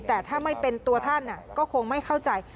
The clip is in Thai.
แต่ถ้าไม่เป็นตัวท่านก็คงไม่เข้าใจ